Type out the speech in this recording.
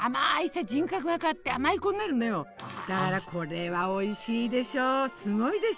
だからこれはおいしいでしょすごいでしょう。